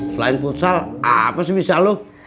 selain futsal apa sih bisa loh